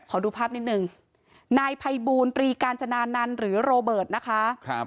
ขอดูภาพนิดนึงนายภัยบูลตรีกาญจนานันต์หรือโรเบิร์ตนะคะ